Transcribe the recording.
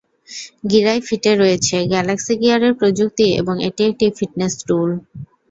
Gear ফিটে রয়েছে Galaxy গিয়ারের প্রযুক্তি এবং এটি একটি ফিটনেস টুল।